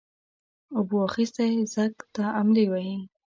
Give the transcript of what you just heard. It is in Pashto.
اوبو اخيستى ځگ ته املې وهي.